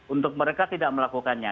untuk mereka tidak melakukannya